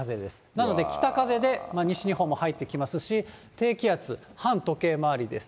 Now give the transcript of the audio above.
なので北風で西日本も入ってきますし、低気圧、反時計回りです。